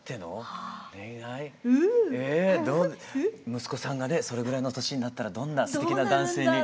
息子さんがねそれぐらいの年になったらどんなすてきな男性に。